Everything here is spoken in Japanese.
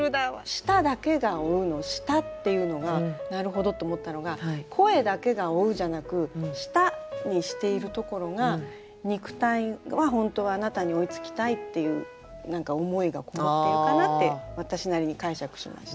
「舌だけが追う」の「舌」っていうのがなるほどと思ったのが声だけが追うじゃなく「舌」にしているところが肉体は本当はあなたに追いつきたいっていう何か思いがこもっているかなって私なりに解釈しました。